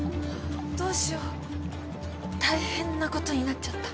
どうしよ大変なことになっちゃった。